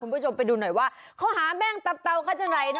คุณผู้ชมไปดูหน่อยว่าเขาหาแม่งตับเตาเขาจะไหนนะ